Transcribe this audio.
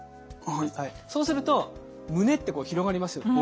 そうすると胸ってこう広がりますよね？